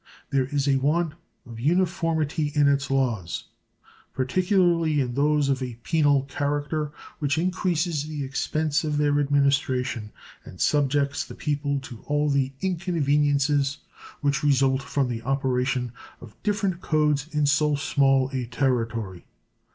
There is a want of uniformity in its laws, particularly in those of a penal character, which increases the expense of their administration and subjects the people to all the inconveniences which result from the operation of different codes in so small a territory.